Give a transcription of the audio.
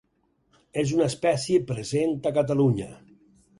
És una espècie present a Catalunya.